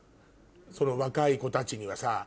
その若い子たちにはさ。